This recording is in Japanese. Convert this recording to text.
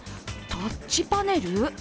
タッチパネル？